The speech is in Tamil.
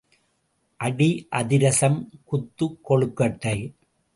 அடி அதிரசம் குத்துக் கொழுக்கட்டை.